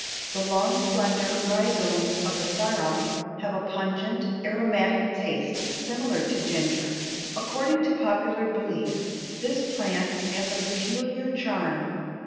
The long, slender rhizomes of Asarum have a pungent, aromatic taste similar to ginger. According to popular belief this plant has a peculiar charm.